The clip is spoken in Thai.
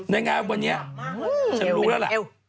ในงานวันนี้ฉันรู้แล้วล่ะ